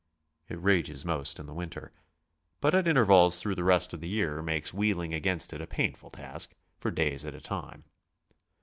It rages most in the wdnter, but at intervals thirough the rest of the year makes wheeling against it a painful task, for days at a time.